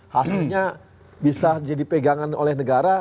hasilnya bisa jadi pegangan oleh negara